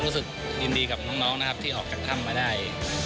รู้สึกยินดีกับน้องนะครับที่ออกจากถ้ำมาได้